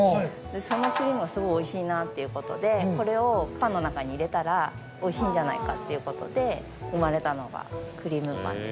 そのクリームがすごいおいしいなということでこれをパンの中に入れたらおいしいんじゃないかということで生まれたのがクリームパンです。